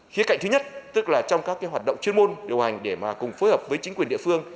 khía cạnh thứ nhất tức là trong các hoạt động chuyên môn điều hành để cùng phối hợp với chính quyền địa phương